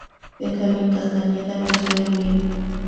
Benjamín Castañeda nació en Lima.